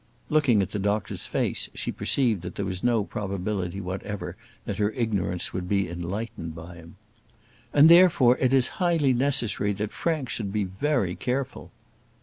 Looking at the doctor's face, she perceived that there was no probability whatever that her ignorance would be enlightened by him. "And, therefore, it is highly necessary that Frank should be very careful."